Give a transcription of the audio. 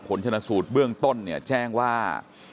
ชนะสูตรเบื้องต้นเนี่ยแจ้งว่า